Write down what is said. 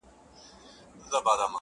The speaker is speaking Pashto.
د مرغانو پاچهۍ ته نه جوړېږي!.